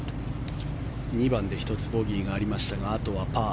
２番で１つボギーがありましたがあとはパー。